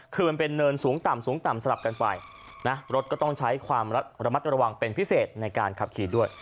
คือมันเป็นเนินสูงต่ำสูงต่ำสลับกันไปนะรถก็ต้องใช้ความระมัดระวังเป็นพิเศษในการขับขี่ด้วย